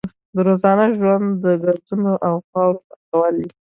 د روزانه ژوند د ګردونو او خاورو پاکول دي.